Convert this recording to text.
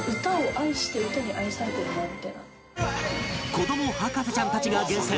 子供博士ちゃんたちが厳選